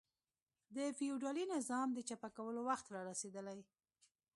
د فیوډالي نظام د چپه کولو وخت را رسېدلی.